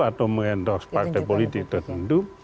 atau meng endorse partai politik tertentu